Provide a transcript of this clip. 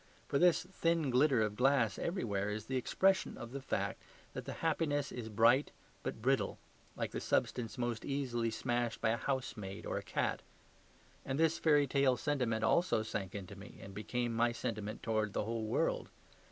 For this thin glitter of glass everywhere is the expression of the fact that the happiness is bright but brittle, like the substance most easily smashed by a housemaid or a cat. And this fairy tale sentiment also sank into me and became my sentiment towards the whole world.